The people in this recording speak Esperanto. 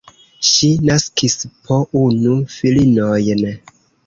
Ŝi naskis po unu filinojn.